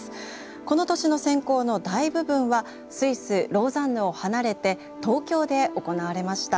この年の選考の大部分はスイスローザンヌを離れて東京で行われました。